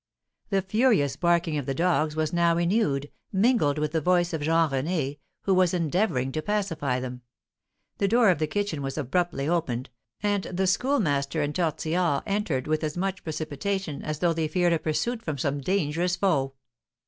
The furious barking of the dogs was now renewed, mingled with the voice of Jean René, who was endeavoring to pacify them; the door of the kitchen was abruptly opened, and the Schoolmaster and Tortillard entered with as much precipitation as though they feared a pursuit from some dangerous foe.